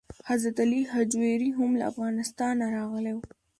حضرت علي هجویري هم له افغانستانه راغلی و.